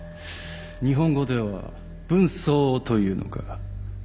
日本語では分相応というのか。